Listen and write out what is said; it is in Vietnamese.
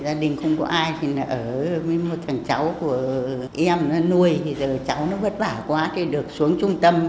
gia đình không có ai thì ở với một thằng cháu của em nó nuôi cháu nó vất vả quá thì được xuống trung tâm